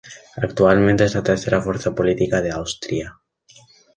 Actualmente es la tercera fuerza política de Austria.